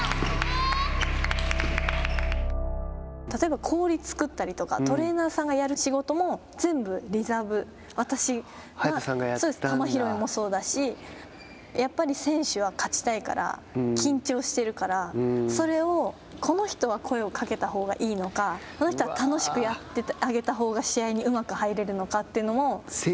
例えば氷作ったりとか、トレーナーさんがやる仕事も全部リザーブ、私が、球拾いもそうですしやっぱり選手は勝ちたいから、緊張してるからそれを、この人は声をかけたほうがいいのか、この人は楽しくやっててあげたほうが試合にうまく入れるかというのも。